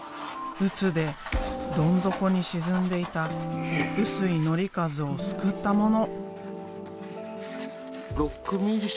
うつでどん底に沈んでいた臼井紀和を救ったもの。